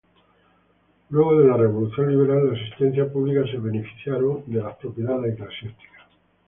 Luego de la Revolución Liberal, la Asistencia Pública se beneficiaron de las propiedades eclesiásticas.